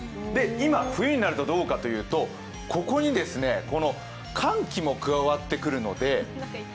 今、冬になるとどうかというと、ここに寒気も加わってくるので。